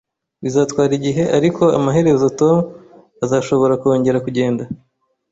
Bizatwara igihe, ariko amaherezo Tom azashobora kongera kugenda